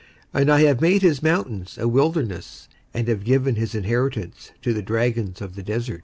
and I have made his mountains a wilderness, and given his inheritance to the dragons of the desert.